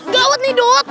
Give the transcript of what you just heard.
gawat nih dut